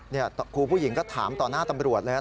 นี่ครูผู้หญิงก็ถามต่อหน้าตำรวจเลย